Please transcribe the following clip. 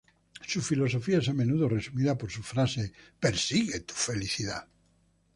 Su filosofía es a menudo resumida por su frase: "Persigue tu felicidad".